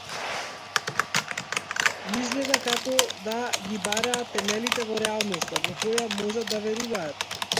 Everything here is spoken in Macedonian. Ми изгледа како да ги бараат темелите во реалноста во која можат да веруваат.